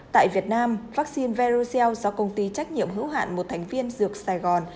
tại việt nam vaccine verocel do công ty trách nhiệm hữu hạn một thành viên dược sài gòn